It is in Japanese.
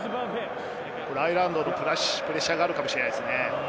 アイルランドのプレッシャーがあるかもしれないですね。